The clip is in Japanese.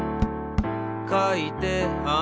「かいてある」